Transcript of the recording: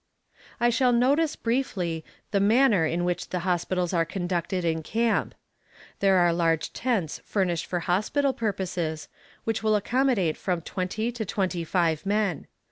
I shall notice, briefly, the manner in which the hospitals are conducted in camp. There are large tents furnished for hospital purposes, which will accommodate from twenty to twenty five men.